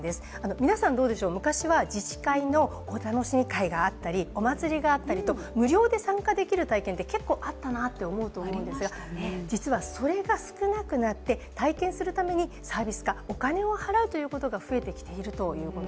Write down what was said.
皆さんどうでしょう、昔は自治会のお楽しみ会があったりお祭りがあったりと、無料で参加できる体験って結構あったなって思うんですが実はそれが少なくなって体験するためにサービス差、お金を払うということが必要になってくると。